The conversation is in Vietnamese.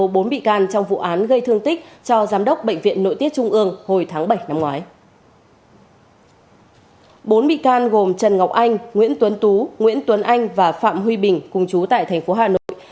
bốn bị can gồm trần ngọc anh nguyễn tuấn tú nguyễn tuấn anh và phạm huy bình cùng chú tại thành phố hà nội